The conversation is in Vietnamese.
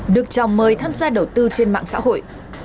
được chào mời tham gia đầu tư trên mạng xã hội